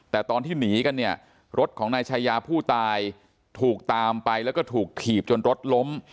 แต่ตอนที่หนีกันเนี่ยรถของนายชายาผู้ตายถูกตามไปแล้วก็ถูกถีบจนรถล้ม